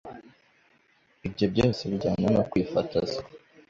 Ibyo byose bijyana no kwifotoza,